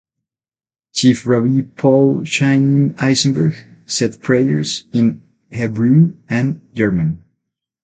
Chief Rabbi Paul Chaim Eisenberg said prayers in Hebrew and German.